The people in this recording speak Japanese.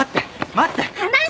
待って。